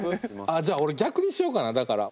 あっじゃあ俺逆にしようかなだから。